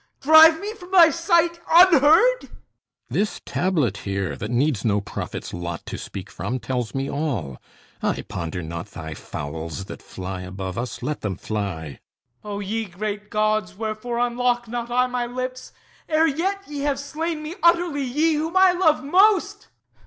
Drive me from thy sight unheard? THESEUS This tablet here, that needs no prophet's lot To speak from, tells me all. I ponder not Thy fowls that fly above us! Let them fly. HIPPOLYTUS O ye great Gods, wherefore unlock not I My lips, ere yet ye have slain me utterly, Ye whom I love most?